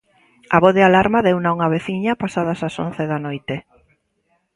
A voz de alarma deuna unha veciña pasadas as once da noite.